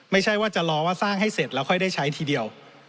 ไม่ใช่ว่าจะรอว่าสร้างให้เสร็จแล้วค่อยได้ใช้ทีเดียว